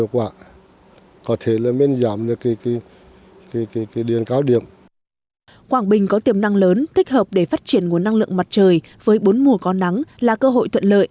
quảng bình có tiềm năng lớn thích hợp để phát triển nguồn năng lượng mặt trời với bốn mùa có nắng là cơ hội thuận lợi